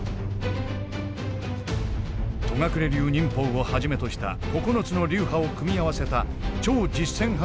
戸隠流忍法をはじめとした９つの流派を組み合わせた超実戦派